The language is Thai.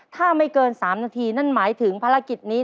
ถ้าไม่เกิน๓นาทีนั่นหมายถึงภารกิจนี้